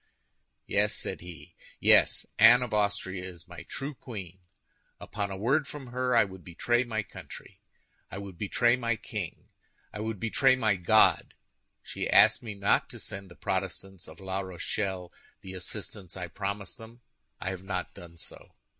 "Yes," said he, "yes, Anne of Austria is my true queen. Upon a word from her, I would betray my country, I would betray my king, I would betray my God. She asked me not to send the Protestants of La Rochelle the assistance I promised them; I have not done so.